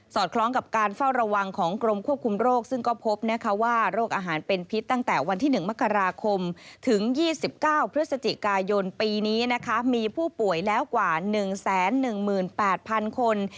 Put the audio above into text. คล้องกับการเฝ้าระวังของกรมควบคุมโรคซึ่งก็พบว่าโรคอาหารเป็นพิษตั้งแต่วันที่๑มกราคมถึง๒๙พฤศจิกายนปีนี้นะคะมีผู้ป่วยแล้วกว่า๑๑๘๐๐๐คน